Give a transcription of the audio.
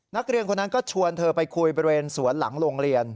นักเรียนคนนั้นก็ชวนเธอไปคุยบริเวณสวนหลังโรงเรียน